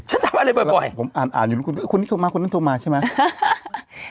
ทำอะไรบ่อยผมอ่านอ่านอยู่คนนี้โทรมาคนนั้นโทรมาใช่ไหม